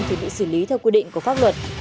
thì bị xử lý theo quy định của pháp luật